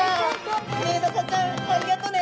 メダカちゃんありがとね！